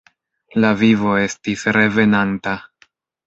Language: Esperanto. La vivo estis revenanta.